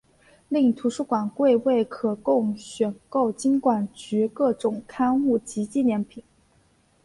另图书馆柜位可供选购金管局各种刊物及纪念品。